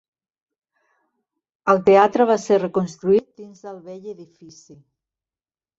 El teatre va ser reconstruït dins del bell edifici.